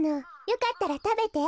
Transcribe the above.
よかったらたべて。